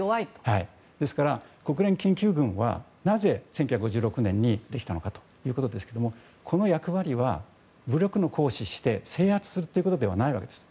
ですから、国連緊急軍はなぜ１９５６年にできたのかということですがこの役割は、武力の行使をして制圧するということではないんです。